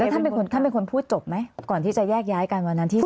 ท่านเป็นคนพูดจบไหมก่อนที่จะแยกย้ายกันวันนั้นที่